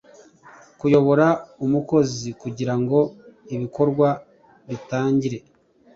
kuyobora umukozi kugira ngo ibikorwa bitangire